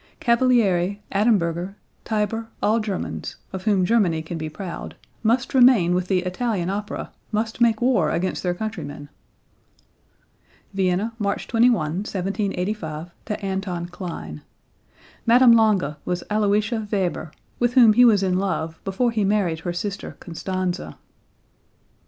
Cavalieri, Adamberger, Teyber, all Germans, of whom Germany can be proud, must remain with the Italian opera, must make war against their countrymen!" (Vienna, March 21, 1785, to Anton Klein. Madame Lange was Aloysia Weber, with whom he was in love before he married her sister Constanze.)